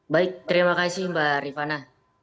baik terima kasih mbak rifana